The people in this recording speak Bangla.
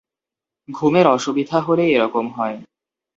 ঘুমের অসুবিধা হলে এ-রকম হয়।